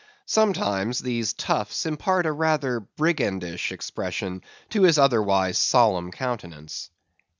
Sometimes these tufts impart a rather brigandish expression to his otherwise solemn countenance.